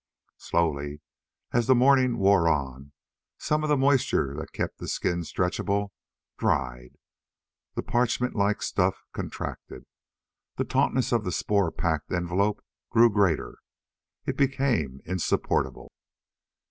Slowly, as the morning wore on, some of the moisture that kept the skin stretchable dried. The parchment like stuff contracted. The tautness of the spore packed envelope grew greater. It became insupportable.